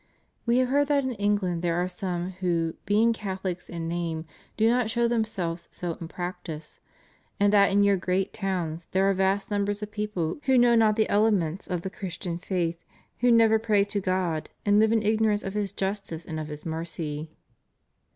We have heard that in England there are some who, being Catholics in name, do not show themselves so in practice; and that in your great to^vns there are vast numbers of people who know not the ele ments of the Christian faith, who never pray to God, and live in ignorance of His justice and of His mercy.